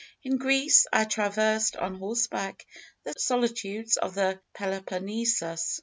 In Greece, I traversed on horseback the solitudes of the Peloponnesus.